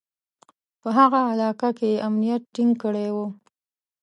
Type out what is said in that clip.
په هغه علاقه کې یې امنیت ټینګ کړی و.